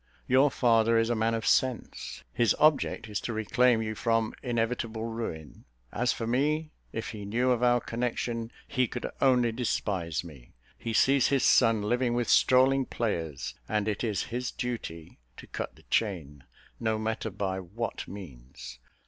Your father is a man of sense; his object is to reclaim you from inevitable ruin. As for me, if he knew of our connection, he could only despise me. He sees his son living with strolling players; and it is his duty to cut the chain, no matter by what means.